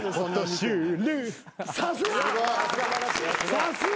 さすが！